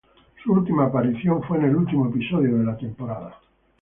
Su última aparición fue en el último episodio de la temporada.